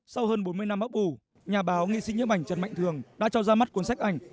sau hơn bốn mươi năm ấp ủ nhà báo nghị sĩ nhấp ảnh trần mạnh thường đã cho ra mắt cuốn sách ảnh